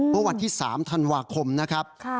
เมื่อวันที่๓ธันวาคมนะครับ